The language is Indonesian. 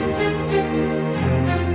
beli satu doang